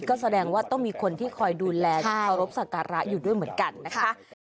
ก็แสดงว่าต้องมีคนที่คอยดูแลเคารพสักการะอยู่ด้วยเหมือนกันนะคะ